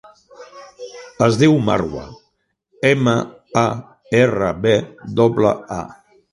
Es diu Marwa: ema, a, erra, ve doble, a.